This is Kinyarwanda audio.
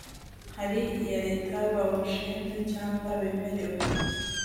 hari iya leta bawushinze cyangwa bemerewe